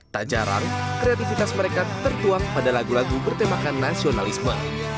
tak jarang kreatifitas mereka tertuang pada lagu lagu bertemakan nasionalisme